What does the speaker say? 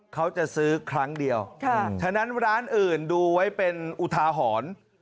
เขาจะซื้อครั้งเดียวฉะนั้นร้านอื่นดูไว้เป็นอุทาหรณ์